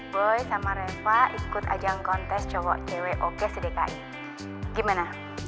boy sama reva ikut ajang kontes cowok cewek oke sedki gimana